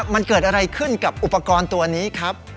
มันเกิดอะไรขึ้นกับอุปกรณ์ตัวนี้ครับ